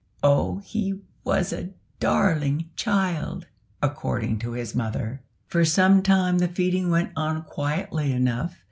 Oh! he was a "darling child," according to his mother. For some time the feeding went on quietly enough.